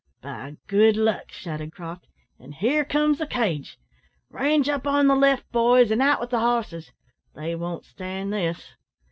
"By good luck!" shouted Croft; "an' here comes the cage. Range up on the left, boys, and out with the hosses, they won't stand this."